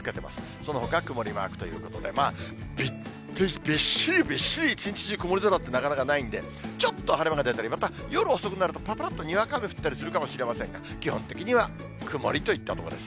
そのほかは曇りマークということで、びっしりびっしり一日中、曇り空ってなかなかないんで、ちょっと晴れ間が出たり、また夜遅くなると、ぱらぱらっとにわか雨降ったりするかもしれませんが、基本的には曇りといったところです。